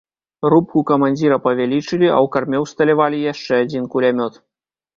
Рубку камандзіра павялічылі, а ў карме ўсталявалі яшчэ адзін кулямёт.